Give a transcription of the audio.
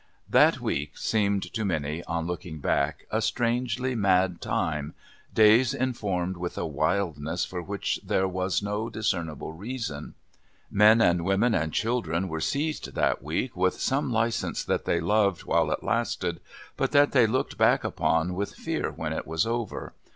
That week seemed to many, on looking back, a strangely mad time, days informed with a wildness for which there was no discernible reason men and women and children were seized that week with some licence that they loved while it lasted, but that they looked back upon with fear when it was over.